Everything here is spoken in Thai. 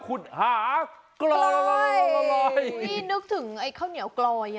อุ้ยนึกถึงไอ้ข้าวเหนียวกรอย